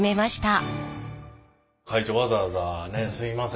会長わざわざねすいません。